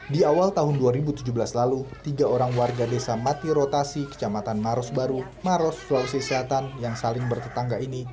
di awal tahun dua ribu tujuh belas lalu tiga orang warga desa mati rotasi kecamatan maros baru maros sulawesi selatan yang saling bertetangga ini